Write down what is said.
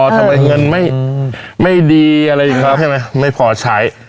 ไม่ยังไงเงินไม่ได้ไม่พอใช้